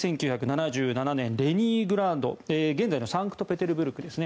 １９７７年、レニングラード現在のサンクトペテルブルクです